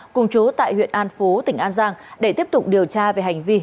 cùng chú tại huyện an phú tỉnh an giang để tiếp tục điều tra về hành vi